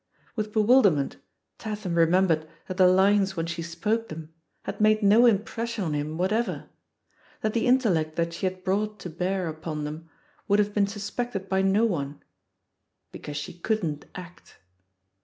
With bewilderment Tatham remembered that the lines when she spoke them had made no impression on him what ever — ^that the intellect that she had brought to bear upon them would have been suspected by no one — ^because she couldn't act.